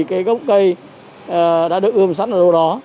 cái gốc cây đã được ươm sẵn ở đâu đó